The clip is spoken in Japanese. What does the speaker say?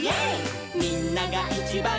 「みんながいちばん」